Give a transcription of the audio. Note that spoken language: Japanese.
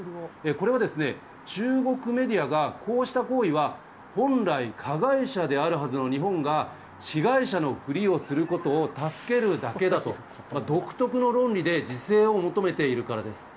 これは、中国メディアが、こうした行為は、本来加害者であるはずの日本が、被害者のふりをすることを助けるだけだと、独特の論理で自制を求めているからです。